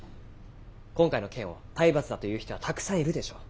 今回の件を体罰だと言う人はたくさんいるでしょう。